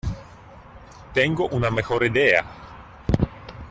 Tengo una mejor idea.